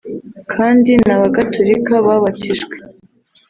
kandi ni abagaturika babatijwe